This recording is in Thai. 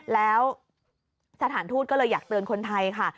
แล้วสถานทูตก็เลยอยากเตือนคนไทยค่ะ